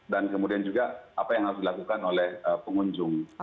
dan kemudian juga apa yang harus dilakukan oleh pengunjung